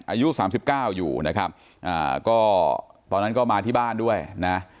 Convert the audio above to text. อายุ๓๙อยู่นะครับตอนนั้นก็มาที่บ้านด้วยนะ